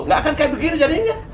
nggak akan kayak begini jadinya